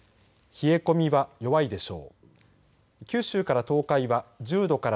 冷え込みは弱いでしょう。